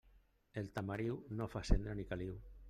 El tamariu no fa cendra ni caliu.